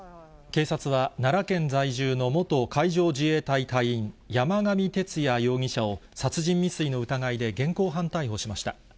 警察は奈良県在住の元海上自衛隊隊員、山上徹也容疑者を、殺人未遂の疑いで現行犯逮捕しました。